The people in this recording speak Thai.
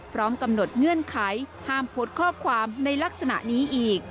พร้อมกำหนดเงื่อนไขห้ามโพสต์ข้อความในลักษณะนี้อีก